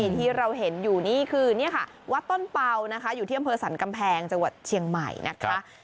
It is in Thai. ที่เราเห็นอยู่นี่คือนี่ค่ะวัดต้นเป่านะคะอยู่ที่อำเภอสรรกำแพงจังหวัดเชียงใหม่นะคะ